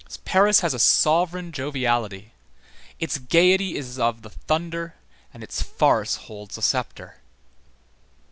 Paris has a sovereign joviality. Its gayety is of the thunder and its farce holds a sceptre.